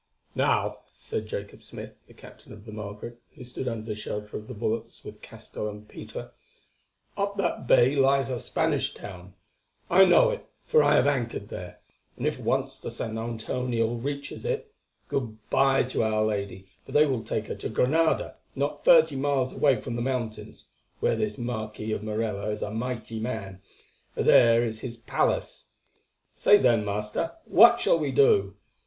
"Now," said Jacob Smith, the captain of the Margaret, who stood under the shelter of the bulwarks with Castell and Peter, "up that bay lies a Spanish town. I know it, for I have anchored there, and if once the San Antonio reaches it, good bye to our lady, for they will take her to Granada, not thirty miles away across the mountains, where this Marquis of Morella is a mighty man, for there is his palace. Say then, master, what shall we do?